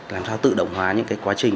làm sao tự động hóa những quá trình